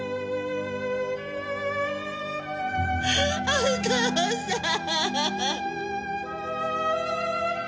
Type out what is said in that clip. お父さん！